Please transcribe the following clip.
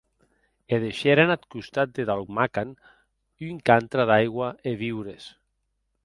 E deishèren ath costat de Daul’makan, un cantre d’aigua e viures.